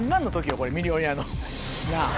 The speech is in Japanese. これ『ミリオネア』のなぁ。